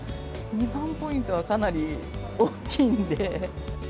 ２万ポイントはかなり大きいんで。